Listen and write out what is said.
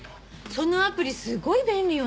そのアプリすごい便利よね。